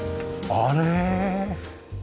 あれ！？